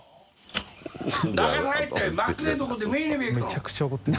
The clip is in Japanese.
めちゃくちゃ怒ってる。